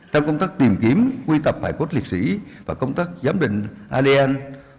trong công tác tìm kiếm quy tập hải quốc liệt sĩ và công tác giám định adn